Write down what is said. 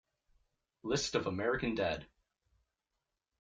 List of American Dad!